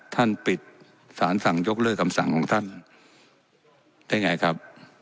ท่านปิดสารสั่งยกเลิกคำสั่งของท่านได้ไงครับ